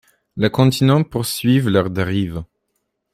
Les continents poursuivent leur dérive.